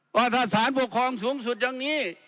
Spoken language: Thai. ว่าถ้าสารปกครองสูงสุดอย่างนี้